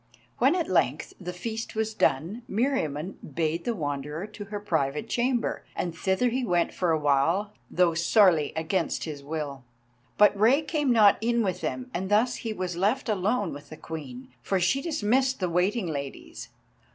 When at length the feast was done, Meriamun bade the Wanderer to her private chamber, and thither he went for awhile, though sorely against his will. But Rei came not in with them, and thus he was left alone with the Queen, for she dismissed the waiting ladies.